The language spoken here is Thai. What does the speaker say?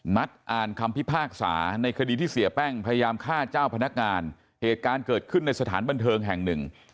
นัดอ่านคำพิพากษาในคดีที่เสียแป้งพยายามฆ่าเจ้าพนักงานเหตุการณ์เกิดขึ้นในสถานบันเทิงแห่งหนึ่ง